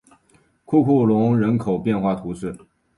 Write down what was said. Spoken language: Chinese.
库库龙人口变化图示